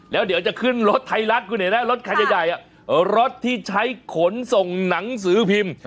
แล้วเดี๋ยวจะขึ้นรถไทยรัฐรถขัดใหญ่รถที่ใช้ขนส่งหนังสือพิมพ์